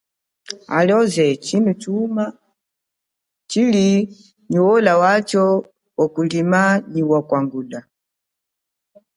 Hita chuma tshili nyi ola yacho ola ya kulima nyi ola ya kwangula.